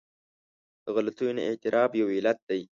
د غلطیو نه اعتراف یو علت دی.